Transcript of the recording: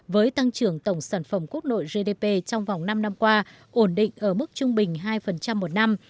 với tăng trưởng tổng sản phẩm quốc nội gdp trong vòng năm năm qua ổn định ở mức trung bình hai một năm